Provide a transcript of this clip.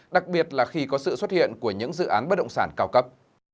đặc biệt là khi có sự xuất hiện của những dự án bất động sản cao cấp